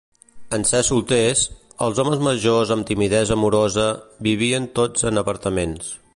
En ser solters, els homes majors amb timidesa amorosa vivien tots en apartaments.